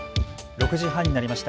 ６時半になりました。